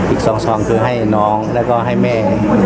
อีก๒ซองคือให้น้องแล้วก็ให้แม่